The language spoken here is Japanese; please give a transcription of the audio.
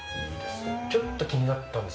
ちょっと気になったんですけど。